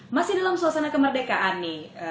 masih dalam suasana kemerdekaan nih